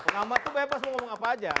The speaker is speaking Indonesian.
nama tuh bebas mau ngomong apa aja